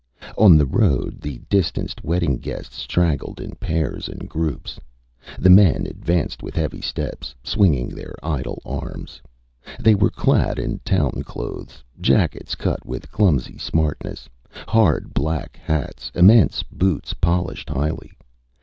On the road the distanced wedding guests straggled in pairs and groups. The men advanced with heavy steps, swinging their idle arms. They were clad in town clothes; jackets cut with clumsy smartness, hard black hats, immense boots, polished highly.